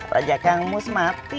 raja kang mus mati